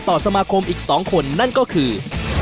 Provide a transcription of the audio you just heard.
สมาคมอีก๒คนนั่นก็คือ